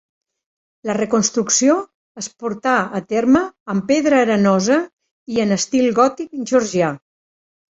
La reconstrucció es portà a terme amb pedra arenosa i en estil gòtic georgià.